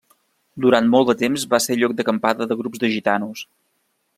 Durant molt temps va ser lloc d'acampada de grups de gitanos.